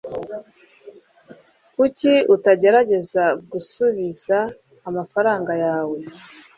kuki utagerageza gusubiza amafaranga yawe